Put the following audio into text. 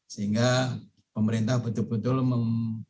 sehingga pemerintah betul betul